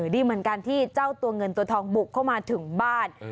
ดีเหมือนกันที่เจ้าตัวเงินตัวทองบุกเข้ามาถึงบ้าน